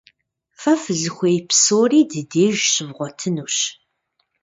Фэ фызыхуей псори ди деж щывгъуэтынущ.